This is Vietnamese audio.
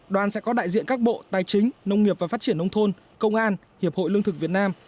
đoàn sẽ có đại diện các bộ tài chính nông nghiệp và phát triển nông thôn công an hiệp hội lương thực việt nam